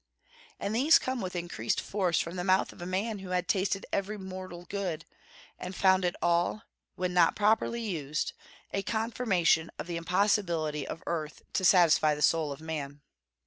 And these come with increased force from the mouth of a man who had tasted every mortal good, and found it all, when not properly used, a confirmation of the impossibility of earth to satisfy the soul of man.